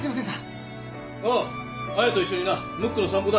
ああ彩と一緒になムックの散歩だ。